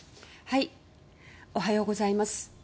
おはようございます。